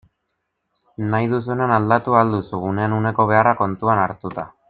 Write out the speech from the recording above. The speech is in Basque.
Nahi duzunean aldatu ahal duzu, unean uneko beharrak kontuan hartuta.